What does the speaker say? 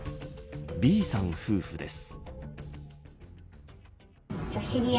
Ｂさん夫婦です。